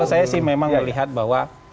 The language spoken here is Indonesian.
kalau saya sih memang melihat bahwa